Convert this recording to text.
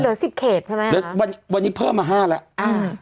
เหลือสิบเขตใช่ไหมฮะวันนี้เพิ่มมาห้าแล้วอ่า